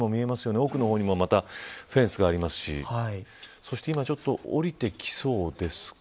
奥の方にもまたフェンスがありますしそして今、降りてきそうですか。